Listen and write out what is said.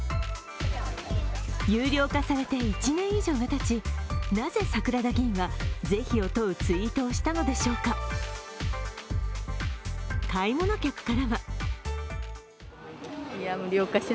有料化されて１年以上がたちなぜ桜田議員は是非を問うツイートをしたのでしょうか。